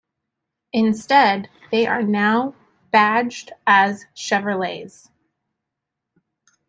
Instead, they are now badged as Chevrolets.